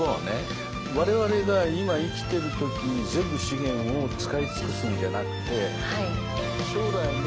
我々が今生きてる時に全部資源を使い尽くすんじゃなくて将来の。